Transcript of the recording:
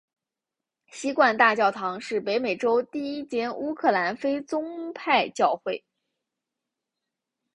锡罐大教堂是北美洲第一间乌克兰非宗派教会。